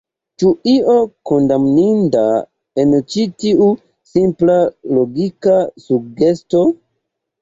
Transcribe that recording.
Ĉu io kondamninda en ĉi tiu simpla logika sugesto?